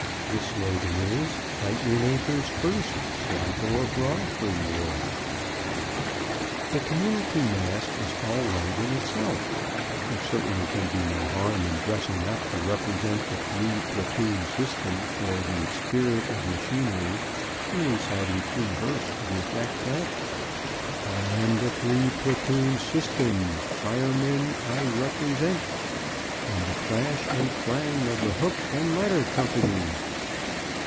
The slogan is "Fight Your Neighbors First. Why Go Abroad for War?" The community masque idea is all right in itself. There certainly can be no harm in dressing up to represent the Three Platoon System, or the Spirit of Machinery, and reciting free verse to the effect that: "I am the Three Platoon System. Firemen I represent, And the clash and clang of the Hook and Ladder Company."